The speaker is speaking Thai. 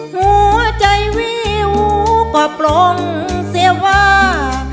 หัวใจวิวก็ปลงเสียว่า